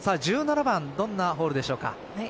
１７番どんなホールでしょうか。